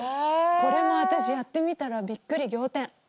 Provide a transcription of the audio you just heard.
これも私やってみたらびっくり仰天。